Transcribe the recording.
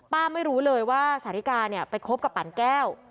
ไม่รู้เลยว่าสาธิกาเนี่ยไปคบกับปั่นแก้ว